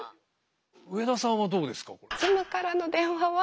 上田さんはどうですか？